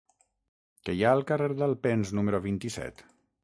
Què hi ha al carrer d'Alpens número vint-i-set?